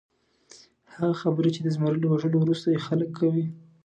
هغه خبرې چې د زمري له وژلو وروسته یې خلک کوي.